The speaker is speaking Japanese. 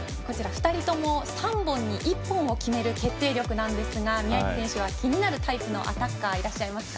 ２人とも３本に１本を決める決定力なんですが宮市選手、気になるタイプのアタッカーはいますか？